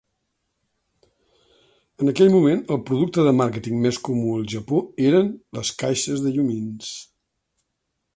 En aquell moment, el producte de màrqueting més comú al Japó eren les caixes de llumins.